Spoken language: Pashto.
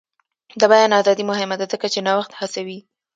د بیان ازادي مهمه ده ځکه چې نوښت هڅوي.